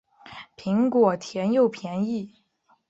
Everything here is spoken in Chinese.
苹果甜又便宜